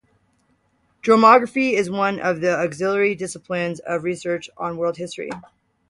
Dromography is one of the auxiliary disciplines of research on world history.